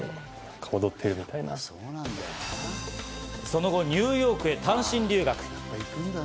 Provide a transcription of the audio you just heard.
その後ニューヨークへ単身留学。